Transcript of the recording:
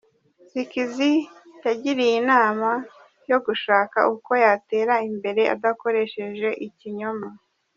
Skizzy yagiriye inama yo gushaka uko yatera imbere adakoresheje ikinyoma.